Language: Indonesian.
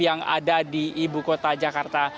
yang ada di ibu kota jakarta